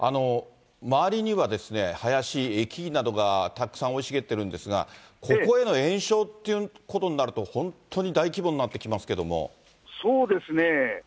周りにはですね、林、木々などがたくさん生い茂ってるんですが、ここへの延焼っていうことになると、本当に大規模になってきますそうですね。